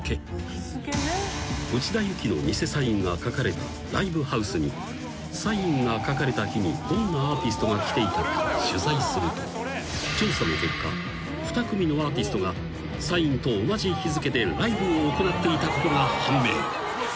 ［内田有紀の偽サインが書かれたライブハウスにサインが書かれた日にどんなアーティストが来ていたか取材すると調査の結果２組のアーティストがサインと同じ日付でライブを行っていたことが判明］